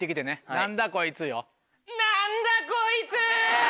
「なんだこいつ」よ。